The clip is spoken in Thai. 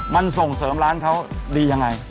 มันส่งเสริมร้านเขาดียังไง